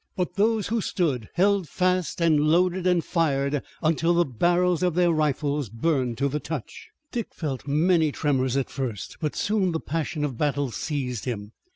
But those who stood, held fast and loaded and fired until the barrels of their rifles burned to the touch. Dick felt many tremors at first, but soon the passion of battle seized him.